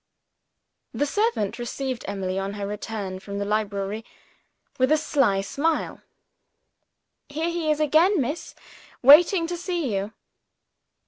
The servant received Emily, on her return from the library, with a sly smile. "Here he is again, miss, waiting to see you."